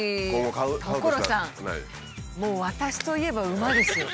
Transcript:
所さんもう私といえば馬ですよ。